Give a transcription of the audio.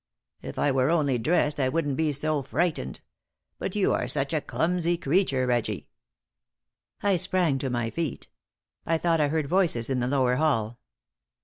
"If I were only dressed I wouldn't be so frightened. But you are such a clumsy creature, Reggie." I sprang to my feet. I thought I heard voices in the lower hall.